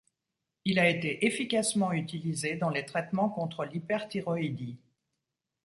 Il a été efficacement utilisé dans les traitements contre l’hyperthyroïdie.